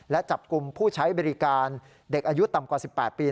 และจับกลุ่มผู้ใช้บริการเด็กอายุต่ำกว่า๑๘ปี